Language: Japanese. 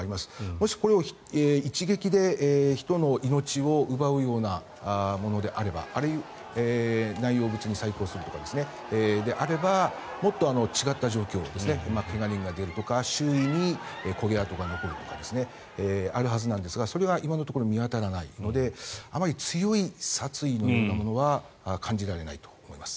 もしこれが、一撃で人の命を奪うようなものであれば内容物に細工するとかですねもっと違った状況怪我人が出るとか周囲に焦げ跡が残るとかあるはずなんですが、それが今のところ見当たらないのであまり強い殺意は感じられないと思います。